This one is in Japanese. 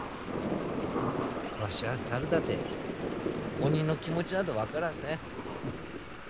わしは猿だで鬼の気持ちなど分からせん。